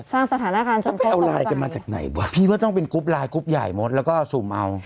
สร้างสถานการณ์จนเขาไปเอาลายกันมาจากไหนบ้างพี่ว่าต้องเป็นกรุ๊ปลายกรุ๊ปใหญ่หมดแล้วก็อศูมิเอา